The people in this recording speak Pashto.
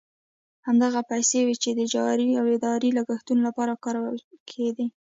همدغه پیسې وې چې د جاري او اداري لګښتونو لپاره کارول کېدې.